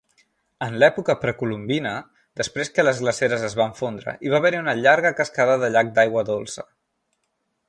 En l'època precolombina, després que les glaceres es van fondre, hi va haver una llarga cascada de llac d'aigua dolça.